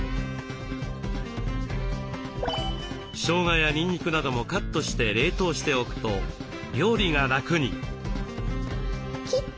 しょうがやにんにくなどもカットして冷凍しておくと料理が楽に。